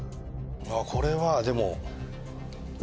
これはでも。